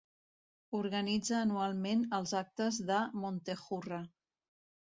Organitza anualment els actes de Montejurra.